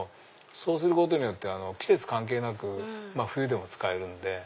そうすることによって季節関係なく冬も使えるので。